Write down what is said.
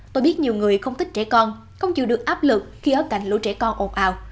tôi biết nhiều người không thích trẻ con không chịu được áp lực khi ở cảnh lũ trẻ con ồn ào